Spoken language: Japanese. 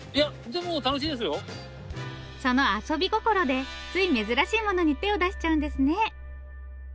その遊び心でつい珍しいものに手を出しちゃうんですね。